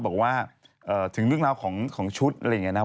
บอกว่าถึงเรื่องราวของชุดอะไรอย่างนี้นะ